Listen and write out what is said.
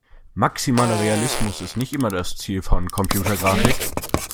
Maximaler Realismus ist nicht immer das Ziel von Computergrafik.